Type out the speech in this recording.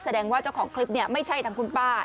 แสดงว่าเจ้าของคลิปเนี่ยไม่ใช่ทั้งคุณป้า